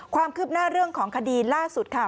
ความคืบหน้าเรื่องของคดีล่าสุดค่ะ